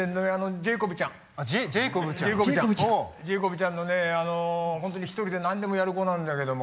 ジェイコブちゃんの本当に一人で何でもやる子なんだけどもこの子はまあ。